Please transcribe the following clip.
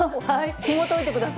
ひもといてください。